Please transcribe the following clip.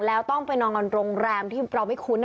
แล้วต้องไปนอนกันโรงแรมที่เราไม่คุ้น